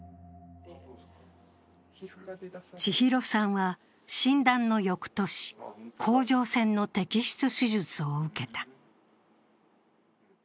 千尋さんは診断の翌年、甲状腺の摘出手術を受けた。